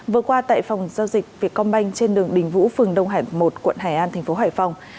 vừa qua tại phòng giao dịch việt công banh trên đường đình vũ phường đông hải một quận hải an tp hải phòng